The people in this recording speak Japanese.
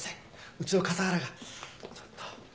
うちの笠原がちょっと。